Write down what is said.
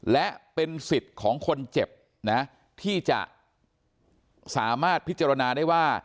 และเป็นสิทธิ์ของคนเจ็บนะที่จะสามารถพิจารณาได้ว่า